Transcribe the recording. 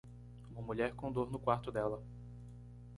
Uma mulher com dor no quarto dela.